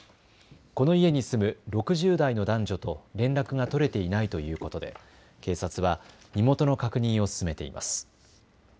この家に住む６０代の男女と連絡が取れていないということで警察は身元の確認を進めています。